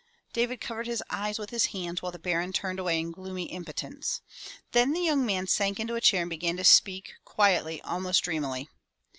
David covered his eyes with his hands while the Baron turned away in gloomy impotence. Then the young man sank into a chair and began to speak, quietly, almost dreamily.